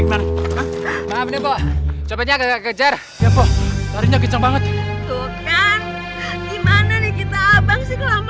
gimana gimana coba aja kejar ya boh kerennya keceng banget tuh kan gimana nih kita abang